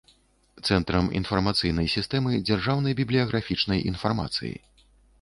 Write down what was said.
Цэнтрам iнфармацыйнай сiстэмы дзяржаўнай бiблiяграфiчнай iнфармацыi.